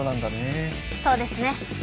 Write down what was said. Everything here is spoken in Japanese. そうですね。